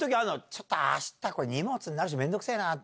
ちょっとあした、これ荷物になるし、めんどくせぇな。